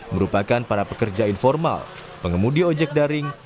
merupakan para pekerja informal pengemudi ojek daring